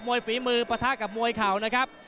ฝีมือปะทะกับมวยเข่านะครับ